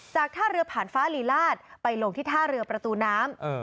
ท่าเรือผ่านฟ้าลีลาศไปลงที่ท่าเรือประตูน้ำ